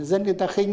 dân người ta khinh